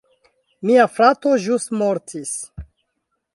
Mia frato ĵus mortis